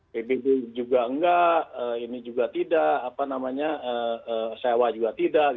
pbb juga enggak ini juga tidak sewa juga tidak